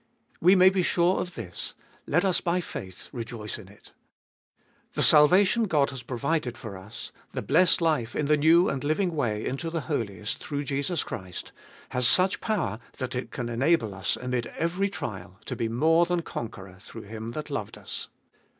We may be sure of this ; let us by faith rejoice in it. The salvation God has provided for us, the blessed life in the new and living way into the Holiest, through Jesus Christ, has such power that it can enable us amid every trial to be more than conqueror through Him that loved us.